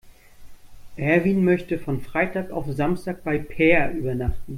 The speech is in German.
Erwin möchte von Freitag auf Samstag bei Peer übernachten.